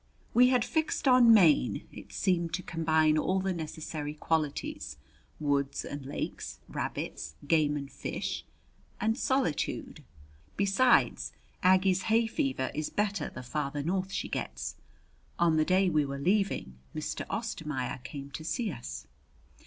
We had fixed on Maine. It seemed to combine all the necessary qualities: woods and lakes, rabbits, game and fish, and solitude. Besides, Aggie's hay fever is better the farther north she gets. On the day we were leaving, Mr. Ostermaier came to see us.